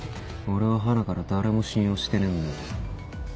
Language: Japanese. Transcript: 俺ははなから誰も信用してねえんだよ。